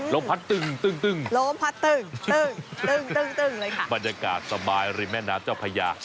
ลมพัดตึงตึงตึงเลยค่ะบรรยากาศสบายริมแม่น้าเจ้าพญา